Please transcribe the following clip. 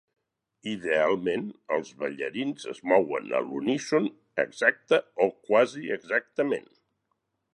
Idealment, els ballarins es mouen a l'uníson exacte o quasi exactament.